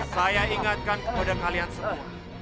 saya ingatkan kepada kalian semua